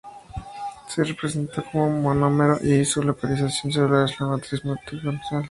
Se presenta como monómero y su localización celular es la matriz mitocondrial.